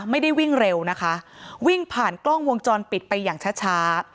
วิ่งเร็วนะคะวิ่งผ่านกล้องวงจรปิดไปอย่างช้า